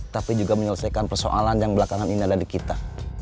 tapi juga menyelesaikan persoalan yang belakangan ini ada di kita